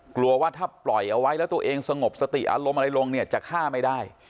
กลัวว่าถ้าปล่อยเอาไว้แล้วตัวเองสงบสติอารมณ์อะไรลงเนี่ยจะฆ่าไม่ได้